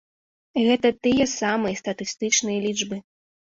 Гэта тыя самыя статыстычныя лічбы!